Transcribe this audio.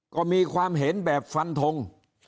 ก็มีความเห็นแบบฟันทง